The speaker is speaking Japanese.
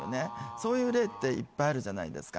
そういう例っていっぱいあるじゃないですか